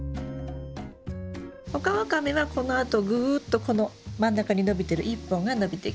オカワカメはこのあとぐっとこの真ん中に伸びてる１本が伸びていきます。